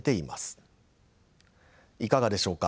いかがでしょうか。